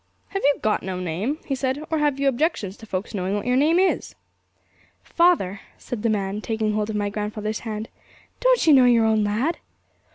'Have you got no name?' he said, 'or have you objections to folks knowing what your name is?' 'Father!' said the man, taking hold of my grandfather's hand, 'don't you know your own lad?'